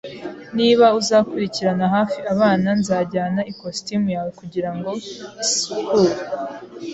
Niba uzakurikiranira hafi abana, nzajyana ikositimu yawe kugirango isukure.